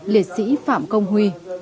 liệt sĩ phạm công huy